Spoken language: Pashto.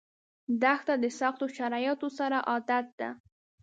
دښته د سختو شرایطو سره عادت ده.